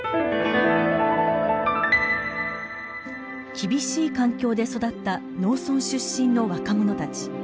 厳しい環境で育った農村出身の若者たち。